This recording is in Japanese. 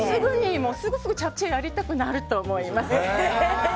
すぐにチャプチェやりたくなると思います。